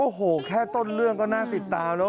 โอ้โหแค่ต้นเรื่องก็น่าติดตามแล้ว